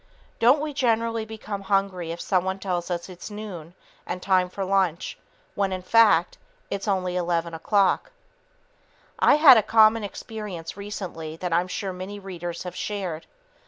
Don't we generally become hungry if someone tells us it's noon and time for lunch when, in fact, it's only 11 o'clock? I had a common experience recently that I am sure many readers have shared.